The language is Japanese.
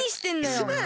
すまん！